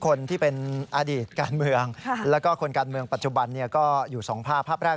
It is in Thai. กรณีนี้ทางด้านของประธานกรกฎาได้ออกมาพูดแล้ว